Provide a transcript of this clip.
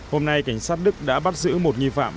hôm nay cảnh sát đức đã bắt giữ một nhân dân